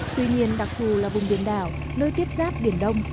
tuy nhiên đặc thù là vùng biển đảo nơi tiếp giáp biển đông